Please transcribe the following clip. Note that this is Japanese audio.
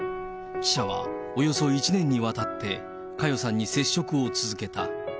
記者はおよそ１年にわたって、佳代さんに接触を続けた。